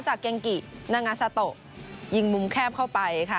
จากเกียงกินังอาซาโตยิงมุมแคบเข้าไปค่ะ